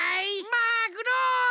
マグロ！